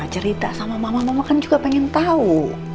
cerita sama mama mama kan juga pengen tahu